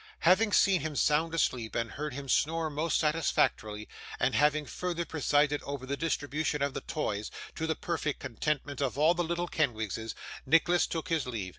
Having seen him sound asleep, and heard him snore most satisfactorily, and having further presided over the distribution of the toys, to the perfect contentment of all the little Kenwigses, Nicholas took his leave.